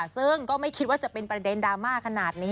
ซึ่งก็ไม่คิดว่าจะเป็นประเด็นดราม่าขนาดนี้